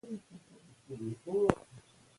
که واکسین وکړو نو ګل غوندې ماشومان نه مړه کیږي.